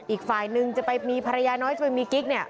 อีกฝ่ายนึงจะไปมีภรรยาน้อยจะไปมีกิ๊กเนี่ย